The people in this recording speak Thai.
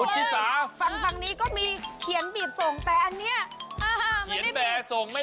พังนี้ก็มีเขียนกลีบส่งแต่อันนี้ไม่ได้บีบ